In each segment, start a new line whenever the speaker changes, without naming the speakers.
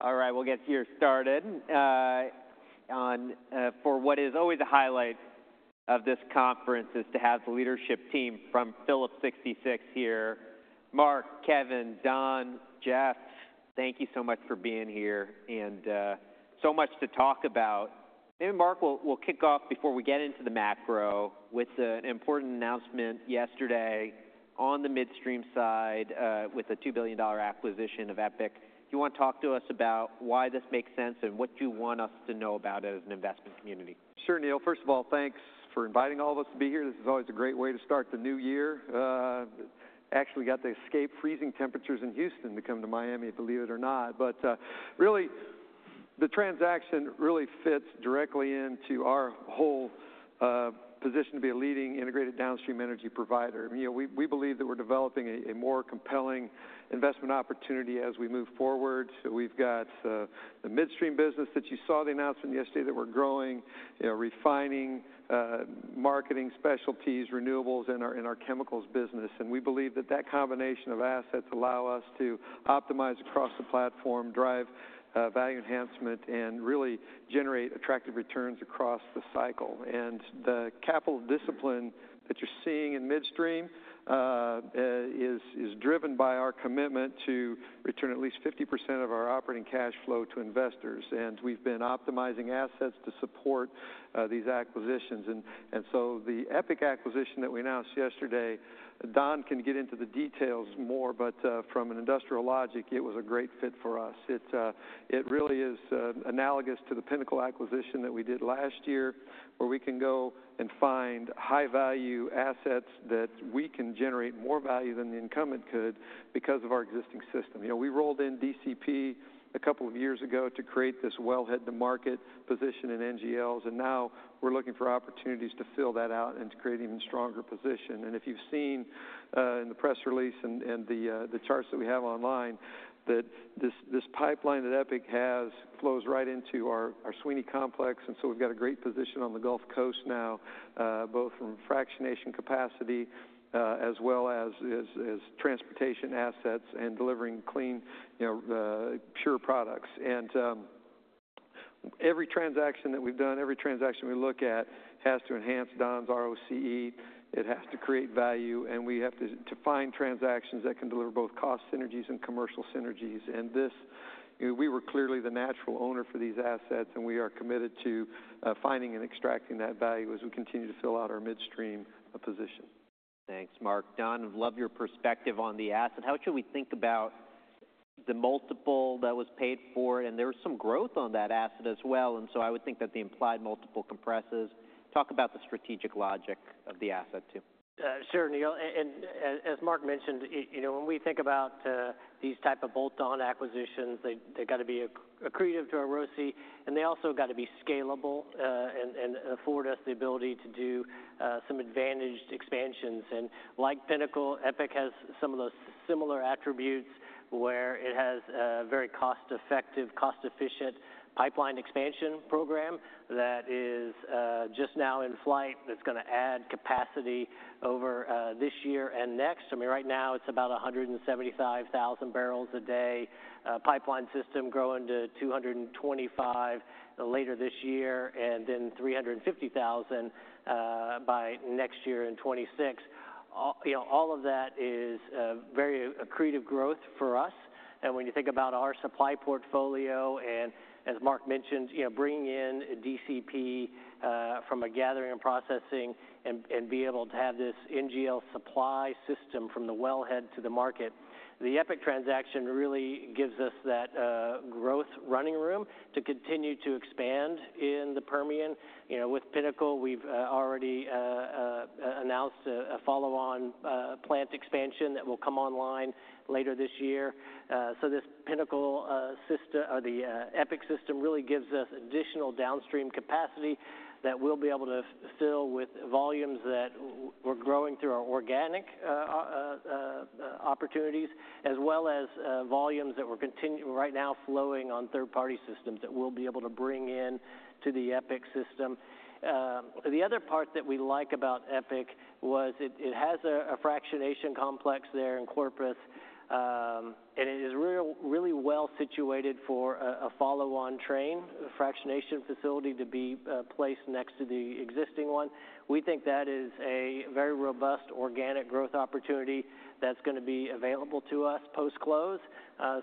All right, we'll get you started. For what is always a highlight of this conference is to have the leadership team from Phillips 66 here. Mark, Kevin, Don, Jeff, thank you so much for being here and so much to talk about. Maybe Mark will kick off before we get into the macro with an important announcement yesterday on the midstream side with a $2 billion acquisition of EPIC. Do you want to talk to us about why this makes sense and what you want us to know about it as an investment community?
Sure, Neil. First of all, thanks for inviting all of us to be here. This is always a great way to start the new year. Actually, we got to escape freezing temperatures in Houston to come to Miami, believe it or not, but really, the transaction really fits directly into our whole position to be a leading integrated downstream energy provider. We believe that we're developing a more compelling investment opportunity as we move forward, so we've got the midstream business that you saw the announcement yesterday that we're growing, refining, marketing specialties, renewables, and our chemicals business. And we believe that that combination of assets allows us to optimize across the platform, drive value enhancement, and really generate attractive returns across the cycle, and the capital discipline that you're seeing in midstream is driven by our commitment to return at least 50% of our operating cash flow to investors. We've been optimizing assets to support these acquisitions. So the EPIC acquisition that we announced yesterday, Don can get into the details more, but from an industrial logic, it was a great fit for us. It really is analogous to the Pinnacle acquisition that we did last year, where we can go and find high-value assets that we can generate more value than the incumbent could because of our existing system. We rolled in DCP a couple of years ago to create this wellhead-to-market position in NGLs. Now we're looking for opportunities to fill that out and to create an even stronger position. If you've seen in the press release and the charts that we have online that this pipeline that EPIC has flows right into our Sweeny Complex. And so we've got a great position on the Gulf Coast now, both from fractionation capacity as well as transportation assets and delivering clean, pure products. And every transaction that we've done, every transaction we look at has to enhance Don's ROCE. It has to create value. And we have to find transactions that can deliver both cost synergies and commercial synergies. And we were clearly the natural owner for these assets. And we are committed to finding and extracting that value as we continue to fill out our midstream position.
Thanks, Mark. Don, love your perspective on the asset. How should we think about the multiple that was paid for? And there was some growth on that asset as well. And so I would think that the implied multiple compresses. Talk about the strategic logic of the asset too.
Sure, Neil. And as Mark mentioned, when we think about these type of bolt-on acquisitions, they've got to be accretive to our ROCE. And they also got to be scalable and afford us the ability to do some advantaged expansions. And like Pinnacle, EPIC has some of those similar attributes where it has a very cost-effective, cost-efficient pipeline expansion program that is just now in flight. It's going to add capacity over this year and next. I mean, right now it's about 175,000 barrels a day. Pipeline system growing to 225,000 later this year and then 350,000 by next year in 2026. All of that is very accretive growth for us. And when you think about our supply portfolio and as Mark mentioned, bringing in DCP from a gathering and processing and be able to have this NGL supply system from the wellhead to the market, the EPIC transaction really gives us that growth running room to continue to expand in the Permian. With Pinnacle, we've already announced a follow-on plant expansion that will come online later this year. So this Pinnacle system or the EPIC system really gives us additional downstream capacity that we'll be able to fill with volumes that we're growing through our organic opportunities, as well as volumes that we're right now flowing on third-party systems that we'll be able to bring in to the EPIC system. The other part that we like about EPIC was it has a fractionation complex there in Corpus. It is really well situated for a follow-on train, a fractionation facility to be placed next to the existing one. We think that is a very robust organic growth opportunity that's going to be available to us post-close.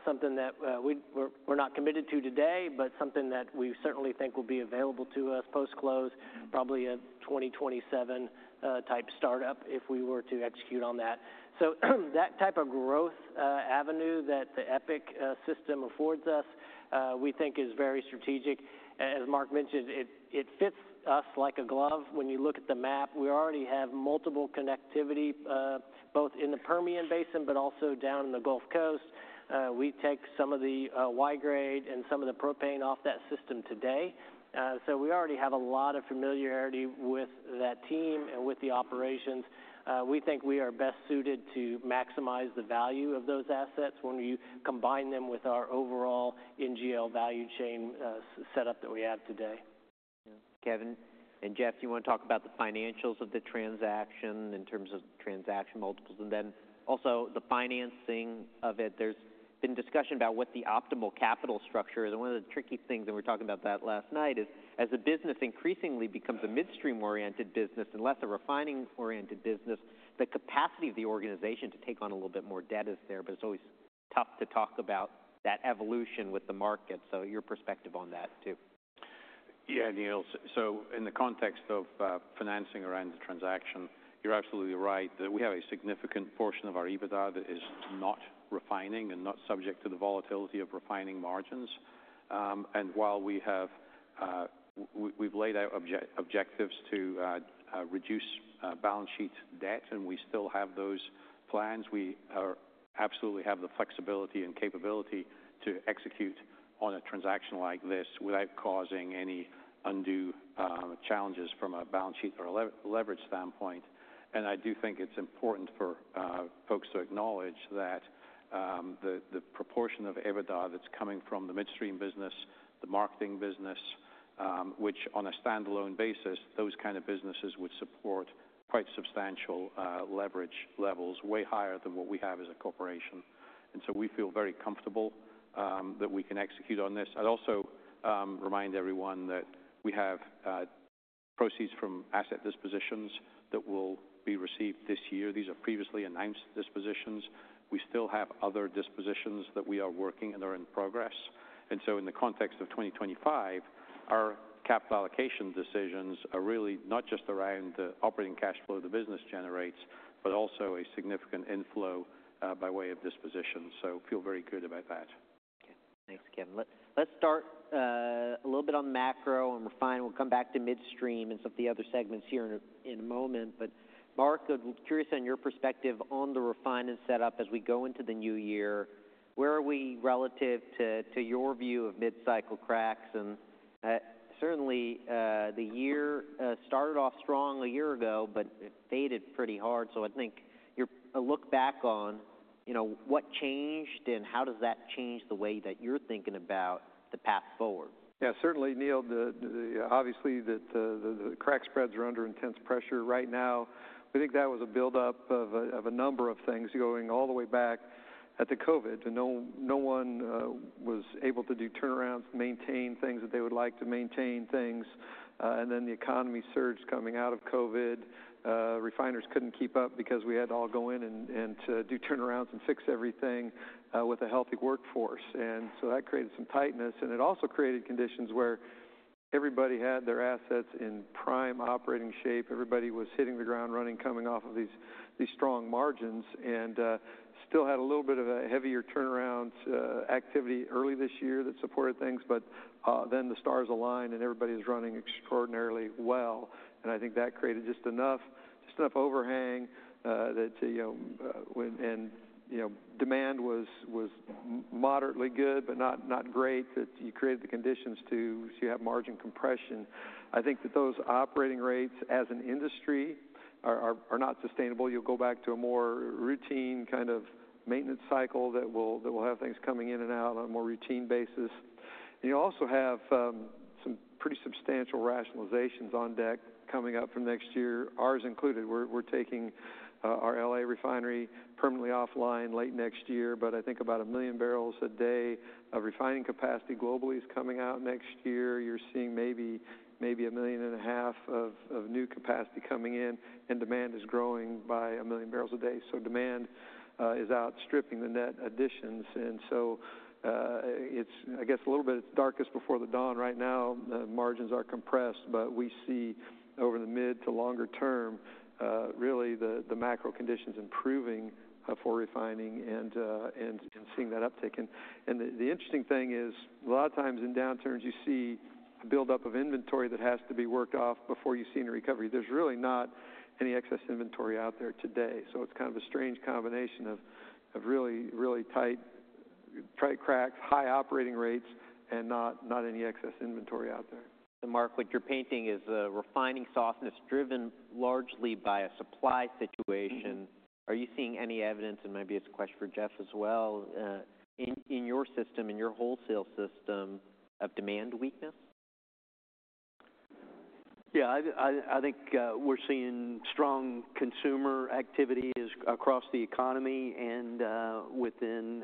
Something that we're not committed to today, but something that we certainly think will be available to us post-close, probably a 2027 type startup if we were to execute on that. That type of growth avenue that the EPIC system affords us, we think is very strategic. As Mark mentioned, it fits us like a glove. When you look at the map, we already have multiple connectivity both in the Permian Basin, but also down in the Gulf Coast. We take some of the Y-grade and some of the propane off that system today. We already have a lot of familiarity with that team and with the operations. We think we are best suited to maximize the value of those assets when you combine them with our overall NGL value chain setup that we have today.
Kevin and Jeff, do you want to talk about the financials of the transaction in terms of transaction multiples? And then also the financing of it. There's been discussion about what the optimal capital structure is. And one of the tricky things, and we were talking about that last night, is as a business increasingly becomes a midstream-oriented business and less a refining-oriented business, the capacity of the organization to take on a little bit more debt is there. But it's always tough to talk about that evolution with the market. So your perspective on that too.
Yeah, Neil. So in the context of financing around the transaction, you're absolutely right that we have a significant portion of our EBITDA that is not refining and not subject to the volatility of refining margins. And while we've laid out objectives to reduce balance sheet debt and we still have those plans, we absolutely have the flexibility and capability to execute on a transaction like this without causing any undue challenges from a balance sheet or leverage standpoint. And I do think it's important for folks to acknowledge that the proportion of EBITDA that's coming from the midstream business, the marketing business, which on a standalone basis, those kinds of businesses would support quite substantial leverage levels way higher than what we have as a corporation. And so we feel very comfortable that we can execute on this. I'd also remind everyone that we have proceeds from asset dispositions that will be received this year. These are previously announced dispositions. We still have other dispositions that we are working and are in progress. And so in the context of 2025, our capital allocation decisions are really not just around the operating cash flow the business generates, but also a significant inflow by way of disposition, so feel very good about that.
Thanks, Kevin. Let's start a little bit on macro and refining. We'll come back to midstream and some of the other segments here in a moment. But Mark, I'm curious on your perspective on the refining setup as we go into the new year. Where are we relative to your view of mid-cycle cracks? And certainly the year started off strong a year ago, but it faded pretty hard. So I think your look back on what changed and how does that change the way that you're thinking about the path forward?
Yeah, certainly, Neil. Obviously that the crack spreads are under intense pressure right now. We think that was a buildup of a number of things going all the way back at the COVID. No one was able to do turnarounds, maintain things that they would like to. And then the economy surged coming out of COVID. Refiners couldn't keep up because we had to all go in and do turnarounds and fix everything with a healthy workforce. And so that created some tightness. And it also created conditions where everybody had their assets in prime operating shape. Everybody was hitting the ground running, coming off of these strong margins and still had a little bit of a heavier turnaround activity early this year that supported things. But then the stars aligned and everybody is running extraordinarily well. And I think that created just enough overhang, and demand was moderately good, but not great, that you created the conditions to have margin compression. I think that those operating rates as an industry are not sustainable. You'll go back to a more routine kind of maintenance cycle that will have things coming in and out on a more routine basis. And you also have some pretty substantial rationalizations on deck coming up from next year, ours included. We're taking our LA Refinery permanently offline late next year. But I think about 1 million barrels a day of refining capacity globally is coming out next year. You're seeing maybe 1.5 million of new capacity coming in, and demand is growing by 1 million barrels a day. So demand is outstripping the net additions. And so it's, I guess, a little bit darkest before the dawn right now. Margins are compressed, but we see over the mid to longer term, really the macro conditions improving for refining and seeing that uptake. And the interesting thing is a lot of times in downturns, you see a buildup of inventory that has to be worked off before you see any recovery. There's really not any excess inventory out there today. So it's kind of a strange combination of really, really tight cracks, high operating rates, and not any excess inventory out there.
Mark, like you're painting a refining softness driven largely by a supply situation. Are you seeing any evidence, and maybe it's a question for Jeff as well, in your system, in your wholesale system of demand weakness?
Yeah, I think we're seeing strong consumer activity across the economy and within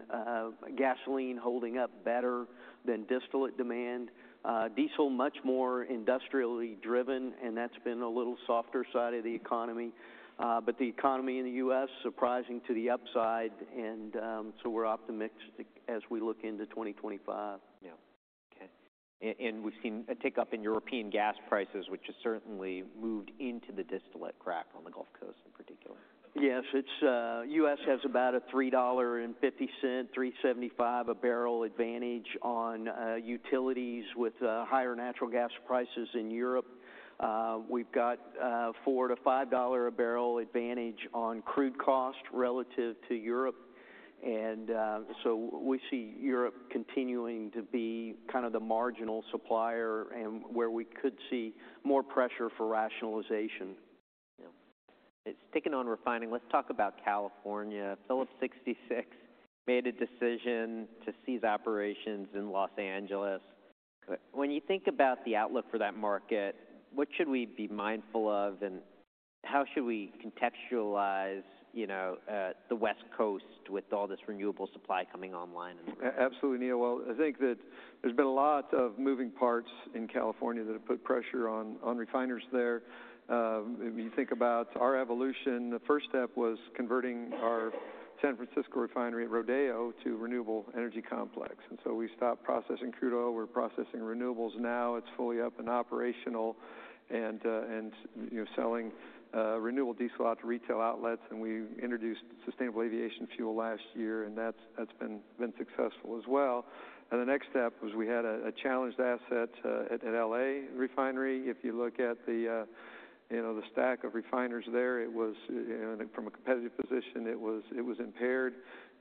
gasoline holding up better than distillate demand. Diesel, much more industrially driven, and that's been a little softer side of the economy. But the economy in the U.S., surprising to the upside. And so we're optimistic as we look into 2025.
Yeah. Okay, and we've seen a tick up in European gas prices, which has certainly moved into the distillate crack on the Gulf Coast in particular.
Yes, the U.S. has about a $3.50-$3.75 a barrel advantage on utilities with higher natural gas prices in Europe. We've got $4-$5 a barrel advantage on crude cost relative to Europe. And so we see Europe continuing to be kind of the marginal supplier and where we could see more pressure for rationalization.
Yeah. It's taken on refining. Let's talk about California. Phillips 66 made a decision to cease operations in Los Angeles. When you think about the outlook for that market, what should we be mindful of and how should we contextualize the West Coast with all this renewable supply coming online?
Absolutely, Neil. I think that there's been a lot of moving parts in California that have put pressure on refiners there. You think about our evolution, the first step was converting our San Francisco Refinery at Rodeo to renewable energy complex. We stopped processing crude oil. We're processing renewables now. It's fully up and operational and selling renewable diesel out to retail outlets. We introduced sustainable aviation fuel last year. That's been successful as well. The next step was we had a challenged asset at LA Refinery. If you look at the stack of refiners there, from a competitive position, it was impaired.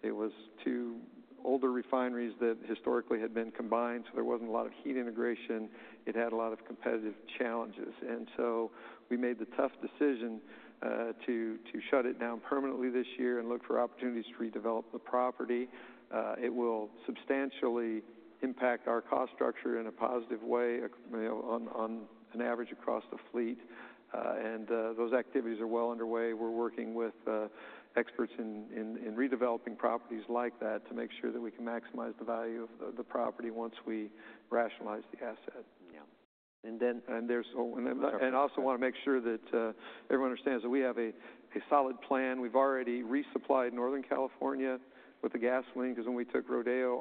It was two older refineries that historically had been combined. There wasn't a lot of heat integration. It had a lot of competitive challenges. We made the tough decision to shut it down permanently this year and look for opportunities to redevelop the property. It will substantially impact our cost structure in a positive way on an average across the fleet. Those activities are well underway. We're working with experts in redeveloping properties like that to make sure that we can maximize the value of the property once we rationalize the asset.
Yeah. And then.
I also want to make sure that everyone understands that we have a solid plan. We've already resupplied Northern California with the gasoline because when we took Rodeo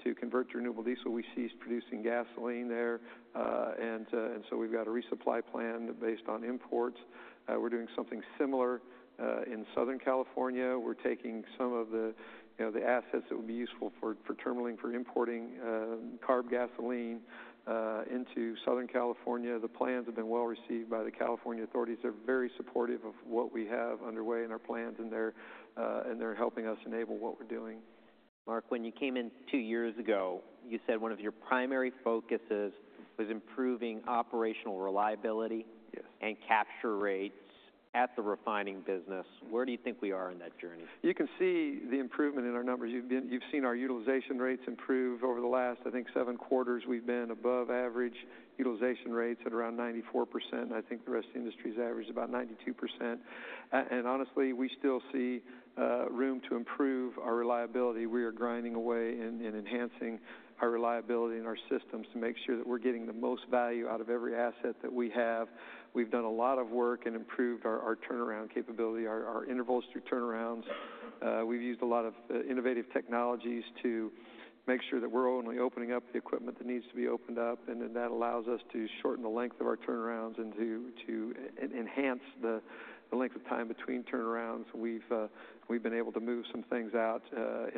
offline to convert to renewable diesel, we ceased producing gasoline there. And so we've got a resupply plan based on imports. We're doing something similar in Southern California. We're taking some of the assets that would be useful for terminaling, for importing CARB gasoline into Southern California. The plans have been well received by the California authorities. They're very supportive of what we have underway in our plans. And they're helping us enable what we're doing.
Mark, when you came in two years ago, you said one of your primary focuses was improving operational reliability and capture rates at the refining business. Where do you think we are in that journey?
You can see the improvement in our numbers. You've seen our utilization rates improve over the last, I think, seven quarters. We've been above average utilization rates at around 94%. I think the rest of the industry's average is about 92%. And honestly, we still see room to improve our reliability. We are grinding away in enhancing our reliability in our systems to make sure that we're getting the most value out of every asset that we have. We've done a lot of work and improved our turnaround capability, our intervals through turnarounds. We've used a lot of innovative technologies to make sure that we're only opening up the equipment that needs to be opened up. And then that allows us to shorten the length of our turnarounds and to enhance the length of time between turnarounds. We've been able to move some things out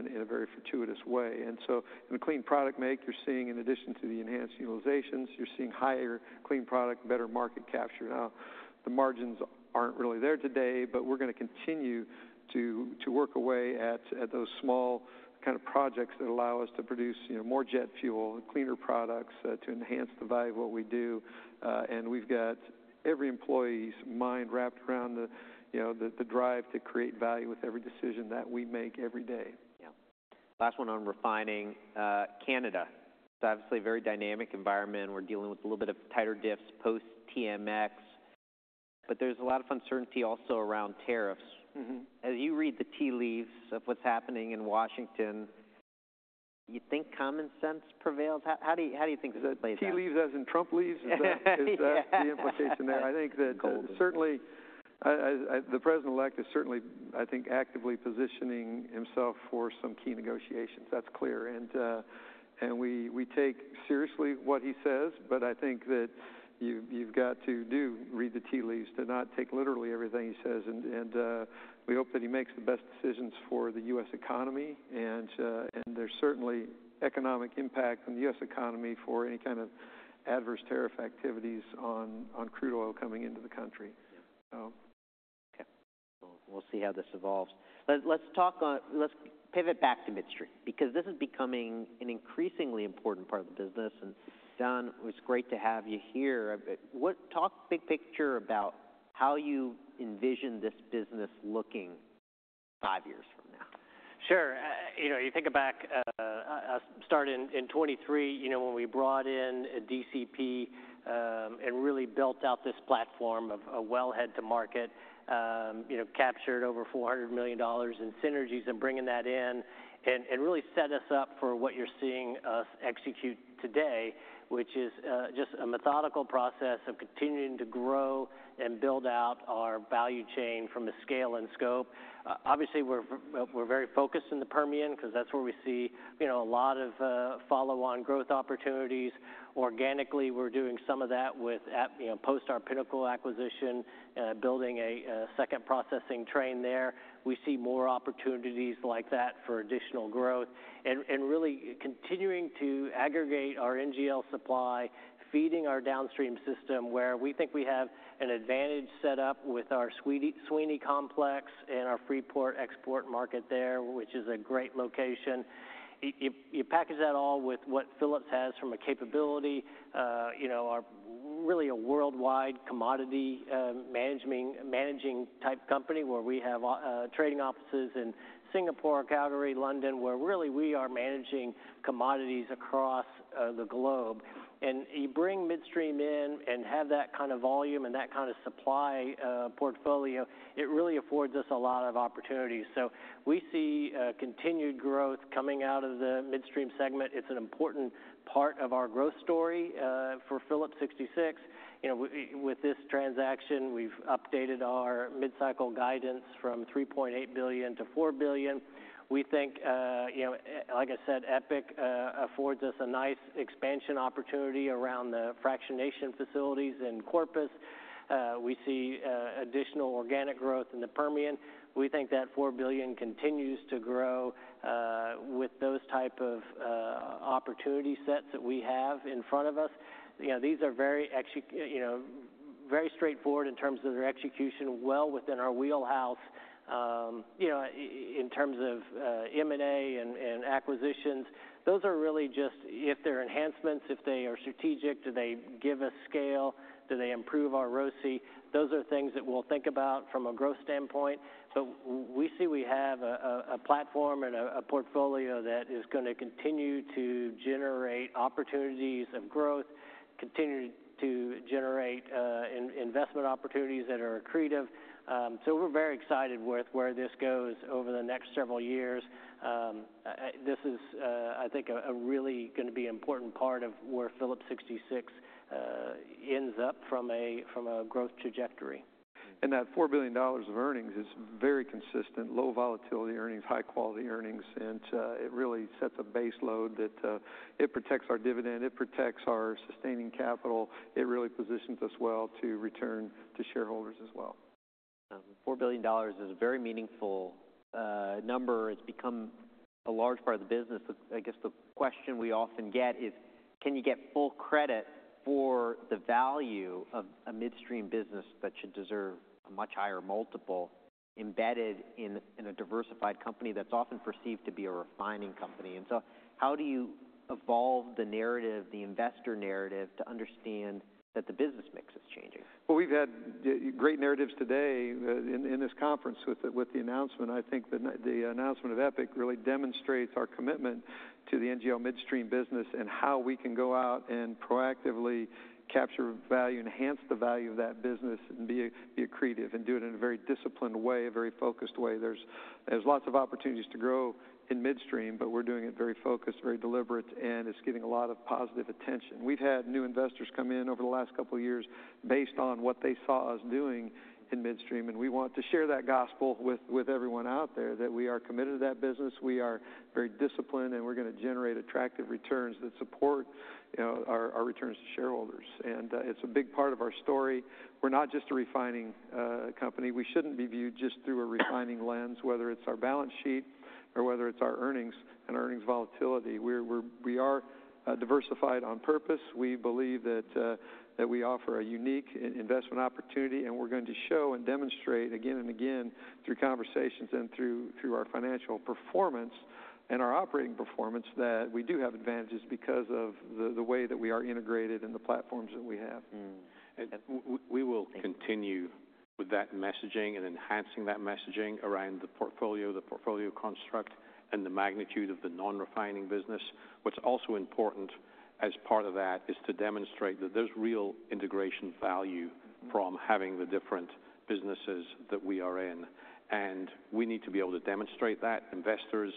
in a very fortuitous way. And so in the clean product make, you're seeing, in addition to the enhanced utilizations, you're seeing higher clean product, better market capture. Now, the margins aren't really there today, but we're going to continue to work away at those small kind of projects that allow us to produce more jet fuel, cleaner products to enhance the value of what we do. And we've got every employee's mind wrapped around the drive to create value with every decision that we make every day.
Yeah. Last one on refining. Canada, obviously a very dynamic environment. We're dealing with a little bit of tighter dips post-TMX. But there's a lot of uncertainty also around tariffs. As you read the tea leaves of what's happening in Washington, you think common sense prevails? How do you think?
Tea leaves as in Trump leaves? Is that the implication there? I think that certainly the president-elect is, I think, actively positioning himself for some key negotiations. That's clear, and we take seriously what he says, but I think that you've got to read the tea leaves to not take literally everything he says, and we hope that he makes the best decisions for the U.S. economy, and there's certainly economic impact on the U.S. economy for any kind of adverse tariff activities on crude oil coming into the country.
Okay. We'll see how this evolves. Let's pivot back to midstream because this is becoming an increasingly important part of the business. And Don, it was great to have you here. Talk big picture about how you envision this business looking five years from now.
Sure. You think back, starting in 2023, you know when we brought in DCP and really built out this platform of a wellhead-to-market, captured over $400 million in synergies and bringing that in and really set us up for what you're seeing us execute today, which is just a methodical process of continuing to grow and build out our value chain from a scale and scope. Obviously, we're very focused in the Permian because that's where we see a lot of follow-on growth opportunities. Organically, we're doing some of that with post-our Pinnacle acquisition, building a second processing train there. We see more opportunities like that for additional growth and really continuing to aggregate our NGL supply, feeding our downstream system where we think we have an advantage setup with our Sweeny Complex and our Freeport export market there, which is a great location. You package that all with what Phillips has from a capability. We're really a worldwide commodity managing type company where we have trading offices in Singapore, Calgary, London, where really we are managing commodities across the globe, and you bring midstream in and have that kind of volume and that kind of supply portfolio. It really affords us a lot of opportunities, so we see continued growth coming out of the midstream segment. It's an important part of our growth story for Phillips 66. With this transaction, we've updated our mid-cycle guidance from $3.8 billion to $4 billion. We think, like I said, EPIC affords us a nice expansion opportunity around the fractionation facilities in Corpus. We see additional organic growth in the Permian. We think that $4 billion continues to grow with those types of opportunity sets that we have in front of us. These are very straightforward in terms of their execution, well within our wheelhouse. In terms of M&A and acquisitions, those are really just if they're enhancements, if they are strategic, do they give us scale, do they improve our ROCE? Those are things that we'll think about from a growth standpoint. But we see we have a platform and a portfolio that is going to continue to generate opportunities of growth, continue to generate investment opportunities that are accretive. So we're very excited with where this goes over the next several years. This is, I think, a really going to be important part of where Phillips 66 ends up from a growth trajectory.
And that $4 billion of earnings is very consistent, low volatility earnings, high quality earnings. And it really sets a baseload that it protects our dividend, it protects our sustaining capital. It really positions us well to return to shareholders as well.
$4 billion is a very meaningful number. It's become a large part of the business. I guess the question we often get is, can you get full credit for the value of a midstream business that should deserve a much higher multiple embedded in a diversified company that's often perceived to be a refining company? And so how do you evolve the narrative, the investor narrative to understand that the business mix is changing?
We've had great narratives today in this conference with the announcement. I think the announcement of EPIC really demonstrates our commitment to the NGL midstream business and how we can go out and proactively capture value, enhance the value of that business, and be accretive and do it in a very disciplined way, a very focused way. There's lots of opportunities to grow in midstream, but we're doing it very focused, very deliberate, and it's getting a lot of positive attention. We've had new investors come in over the last couple of years based on what they saw us doing in midstream. We want to share that gospel with everyone out there that we are committed to that business. We are very disciplined, and we're going to generate attractive returns that support our returns to shareholders. It's a big part of our story. We're not just a refining company. We shouldn't be viewed just through a refining lens, whether it's our balance sheet or whether it's our earnings and earnings volatility. We are diversified on purpose. We believe that we offer a unique investment opportunity, and we're going to show and demonstrate again and again through conversations and through our financial performance and our operating performance that we do have advantages because of the way that we are integrated in the platforms that we have.
And we will continue with that messaging and enhancing that messaging around the portfolio, the portfolio construct, and the magnitude of the non-refining business. What's also important as part of that is to demonstrate that there's real integration value from having the different businesses that we are in. And we need to be able to demonstrate that. Investors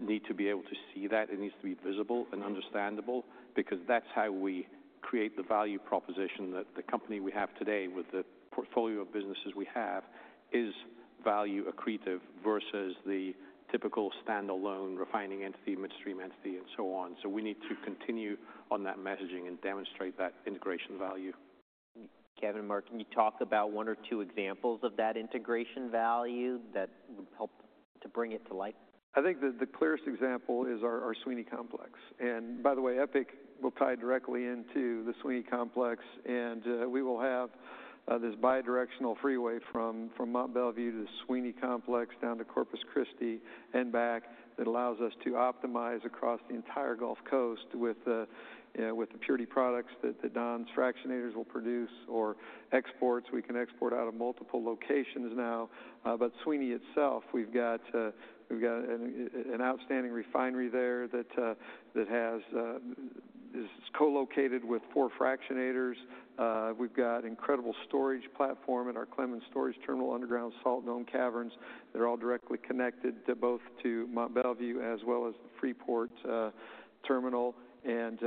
need to be able to see that. It needs to be visible and understandable because that's how we create the value proposition that the company we have today with the portfolio of businesses we have is value accretive versus the typical standalone refining entity, midstream entity, and so on. So we need to continue on that messaging and demonstrate that integration value. Kevin and Mark, can you talk about one or two examples of that integration value that would help to bring it to light?
I think the clearest example is our Sweeny Complex. By the way, EPIC will tie directly into the Sweeny Complex. We will have this bidirectional freeway from Mont Belvieu to the Sweeny Complex down to Corpus Christi and back that allows us to optimize across the entire Gulf Coast with the purity products that Don's fractionators will produce or exports. We can export out of multiple locations now. Sweeny itself, we've got an outstanding refinery there that is co-located with four fractionators. We've got an incredible storage platform at our Clemens storage terminal underground salt dome caverns. They're all directly connected both to Mont Belvieu as well as the Freeport terminal and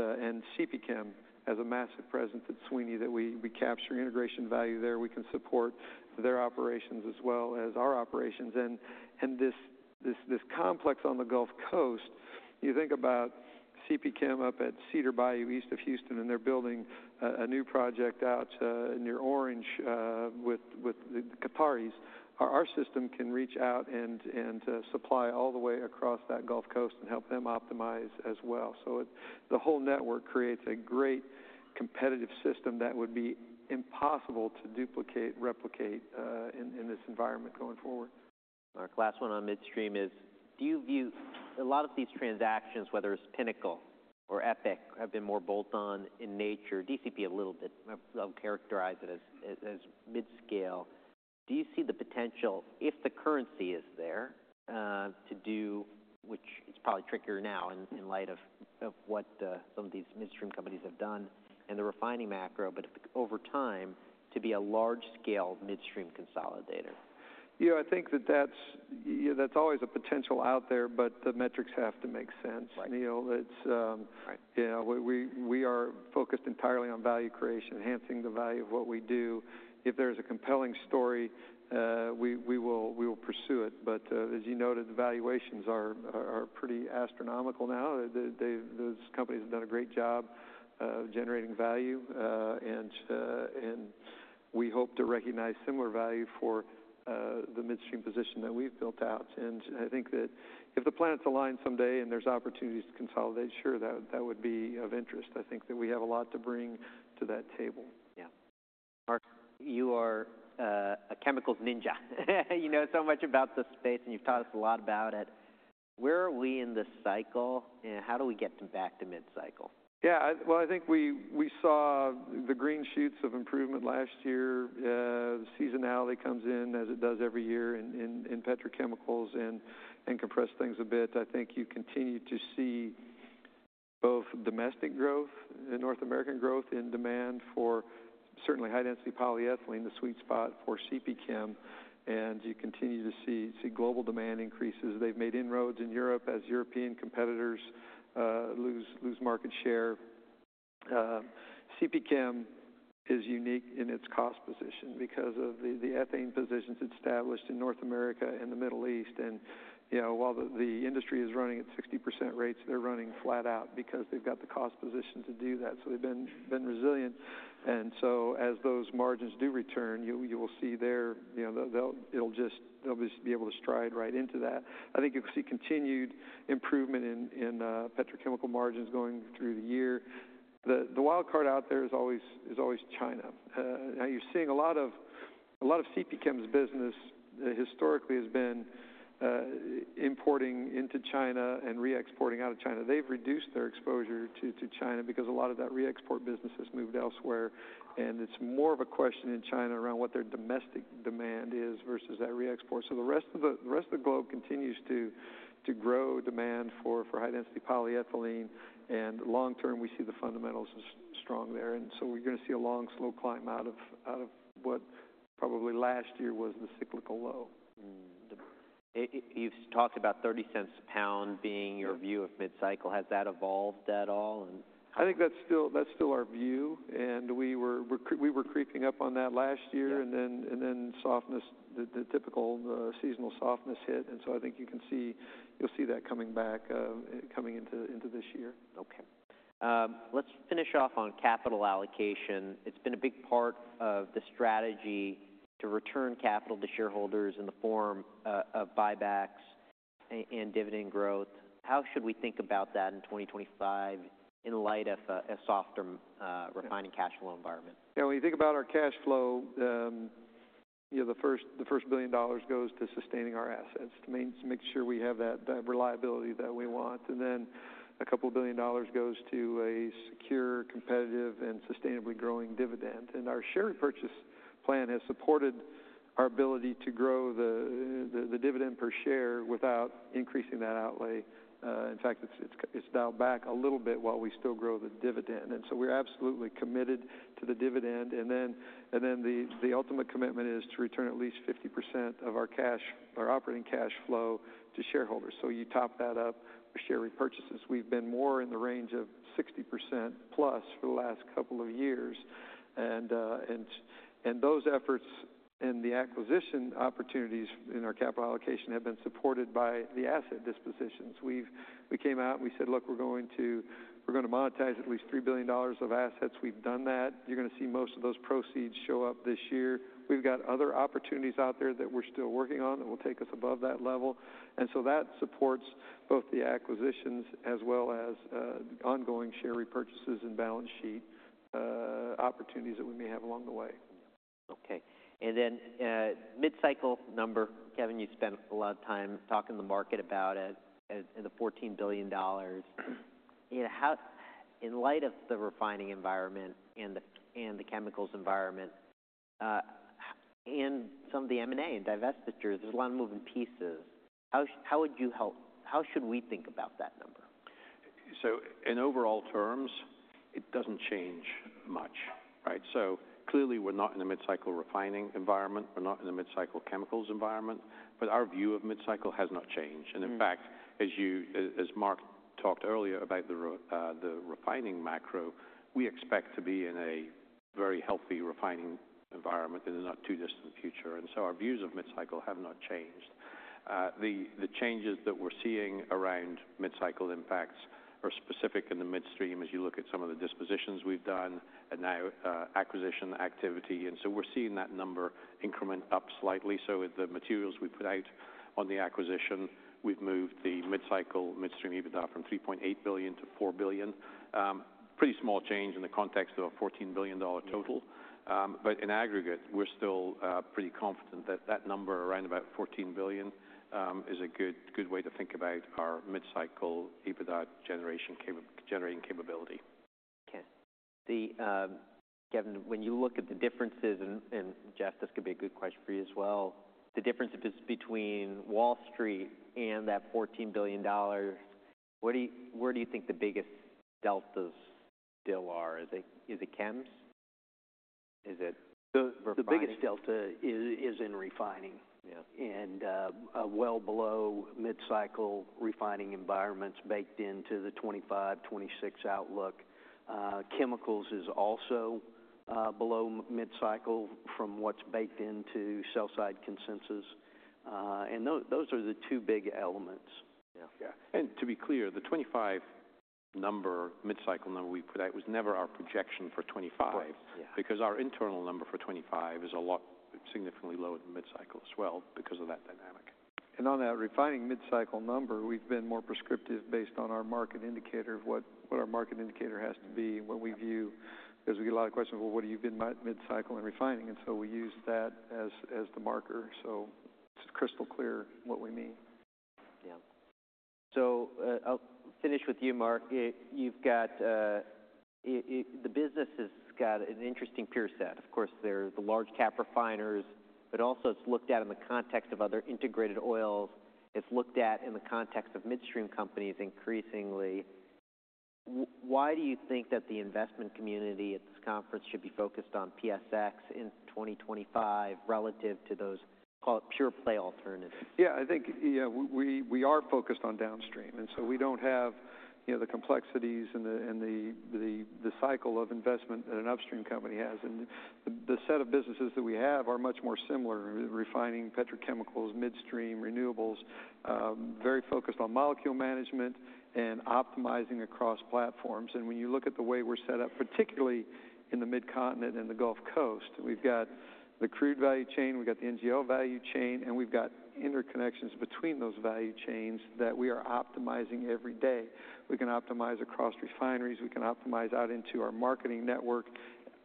CP Chem has a massive presence at Sweeny that we capture integration value there. We can support their operations as well as our operations. And this complex on the Gulf Coast, you think about CP Chem up at Cedar Bayou east of Houston, and they're building a new project out near Orange with the Qataris. Our system can reach out and supply all the way across that Gulf Coast and help them optimize as well. So the whole network creates a great competitive system that would be impossible to duplicate, replicate in this environment going forward.
Mark, last one on midstream is, do you view a lot of these transactions, whether it's Pinnacle or EPIC, have been more bolt-on in nature? DCP a little bit, characterize it as mid-scale. Do you see the potential, if the currency is there, to do, which is probably trickier now in light of what some of these midstream companies have done and the refining macro, but over time to be a large-scale midstream consolidator?
Yeah, I think that that's always a potential out there, but the metrics have to make sense. We are focused entirely on value creation, enhancing the value of what we do. If there's a compelling story, we will pursue it. But as you noted, the valuations are pretty astronomical now. Those companies have done a great job generating value. And we hope to recognize similar value for the midstream position that we've built out. And I think that if the planets align someday and there's opportunities to consolidate, sure, that would be of interest. I think that we have a lot to bring to that table.
Yeah. Mark, you are a chemicals ninja. You know so much about the space and you've taught us a lot about it. Where are we in this cycle and how do we get back to mid-cycle?
Yeah. Well, I think we saw the green shoots of improvement last year. The seasonality comes in as it does every year in petrochemicals and compresses things a bit. I think you continue to see both domestic growth and North American growth in demand for certainly high-density polyethylene, the sweet spot for CP Chem. And you continue to see global demand increases. They've made inroads in Europe as European competitors lose market share. CP Chem is unique in its cost position because of the ethane positions established in North America and the Middle East. And while the industry is running at 60% rates, they're running flat out because they've got the cost position to do that. So they've been resilient. And so as those margins do return, you will see there it'll just be able to stride right into that. I think you'll see continued improvement in petrochemical margins going through the year. The wild card out there is always China. Now, you're seeing a lot of CP Chem's business historically has been importing into China and re-exporting out of China. They've reduced their exposure to China because a lot of that re-export business has moved elsewhere. And it's more of a question in China around what their domestic demand is versus that re-export. So the rest of the globe continues to grow demand for high-density polyethylene. And long term, we see the fundamentals are strong there. And so we're going to see a long slow climb out of what probably last year was the cyclical low.
You've talked about $0.30 a pound being your view of mid-cycle. Has that evolved at all?
I think that's still our view, and we were creeping up on that last year, and then the typical seasonal softness hit, and so I think you'll see that coming back, coming into this year.
Okay. Let's finish off on capital allocation. It's been a big part of the strategy to return capital to shareholders in the form of buybacks and dividend growth. How should we think about that in 2025 in light of a softer refining cash flow environment?
Yeah. When you think about our cash flow, the first $1 billion goes to sustaining our assets to make sure we have that reliability that we want. And then a couple of $1 billion goes to a secure, competitive, and sustainably growing dividend. And our share repurchase plan has supported our ability to grow the dividend per share without increasing that outlay. In fact, it's dialed back a little bit while we still grow the dividend. And so we're absolutely committed to the dividend. And then the ultimate commitment is to return at least 50% of our operating cash flow to shareholders. So you top that up with share repurchases. We've been more in the range of 60% plus for the last couple of years. And those efforts and the acquisition opportunities in our capital allocation have been supported by the asset dispositions. We came out and we said, "Look, we're going to monetize at least $3 billion of assets. We've done that. You're going to see most of those proceeds show up this year. We've got other opportunities out there that we're still working on that will take us above that level." And so that supports both the acquisitions as well as ongoing share repurchases and balance sheet opportunities that we may have along the way.
Okay. And then mid-cycle number, Kevin, you spent a lot of time talking to the market about it and the $14 billion. In light of the refining environment and the chemicals environment and some of the M&A and divestitures, there's a lot of moving pieces. How should we think about that number?
In overall terms, it doesn't change much. Clearly, we're not in a mid-cycle refining environment. We're not in a mid-cycle chemicals environment. Our view of mid-cycle has not changed. In fact, as Mark talked earlier about the refining macro, we expect to be in a very healthy refining environment in the not too distant future. Our views of mid-cycle have not changed. The changes that we're seeing around mid-cycle impacts are specific in the midstream as you look at some of the dispositions we've done and now acquisition activity. We're seeing that number increment up slightly. With the materials we put out on the acquisition, we've moved the mid-cycle midstream EBITDA from $3.8 billion to $4 billion. Pretty small change in the context of a $14 billion total. But in aggregate, we're still pretty confident that that number around about $14 billion is a good way to think about our mid-cycle EBITDA generating capability.
Okay. Kevin, when you look at the differences, and Jeff, this could be a good question for you as well, the difference between Wall Street and that $14 billion, where do you think the biggest deltas still are? Is it Chems? Is it refining?
The biggest delta is in refining and well below mid-cycle refining environments baked into the 2025, 2026 outlook. Chemicals is also below mid-cycle from what's baked into sell-side consensus, and those are the two big elements.
Yeah. And to be clear, the 25 number, mid-cycle number we put out was never our projection for 25 because our internal number for 25 is a lot significantly lower than mid-cycle as well because of that dynamic. And on that refining mid-cycle number, we've been more prescriptive based on our market indicator of what our market indicator has to be and what we view. Because we get a lot of questions, "Well, what do you mean by mid-cycle and refining?" And so we use that as the marker. So it's crystal clear what we mean.
Yeah. So I'll finish with you, Mark. The business has got an interesting peer set. Of course, there are the large cap refiners, but also it's looked at in the context of other integrated oils. It's looked at in the context of midstream companies increasingly. Why do you think that the investment community at this conference should be focused on PSX in 2025 relative to those pure play alternatives?
Yeah. I think we are focused on downstream, and so we don't have the complexities and the cycle of investment that an upstream company has, and the set of businesses that we have are much more similar: refining, petrochemicals, midstream, renewables, very focused on molecule management and optimizing across platforms. And when you look at the way we're set up, particularly in the mid-continent and the Gulf Coast, we've got the crude value chain, we've got the NGL value chain, and we've got interconnections between those value chains that we are optimizing every day. We can optimize across refineries. We can optimize out into our marketing network,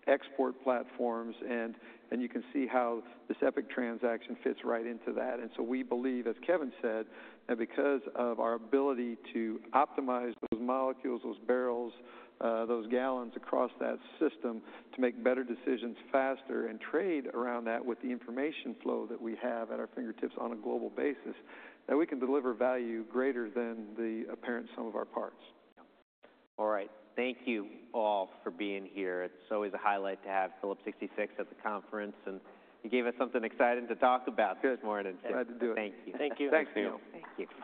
export platforms, and you can see how this EPIC transaction fits right into that. And so we believe, as Kevin said, that because of our ability to optimize those molecules, those barrels, those gallons across that system to make better decisions faster and trade around that with the information flow that we have at our fingertips on a global basis, that we can deliver value greater than the apparent sum of our parts.
All right. Thank you all for being here. It's always a highlight to have Phillips 66 at the conference. And you gave us something exciting to talk about this morning.
Good. I had to do it.
Thank you.
Thank you.
Thank you.